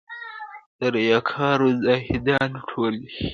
د ریا کارو زاهدانو ټولۍ.!